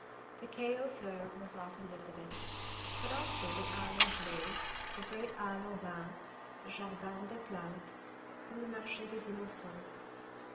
The Quai aux Fleurs was often visited, but also the Halle aux Blés, the great Halle aux Vins, the Jardin des Plantes, and the Marché des Innocens.